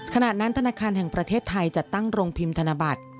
ขณะนั้นธนาคารแห่งประเทศไทยจัดตั้งโรงพิมพ์ธนบัตร